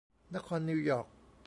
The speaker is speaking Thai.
นครนิวยอร์ค